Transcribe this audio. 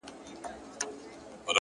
د سترگو د ملا خاوند دی،